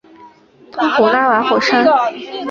通古拉瓦火山。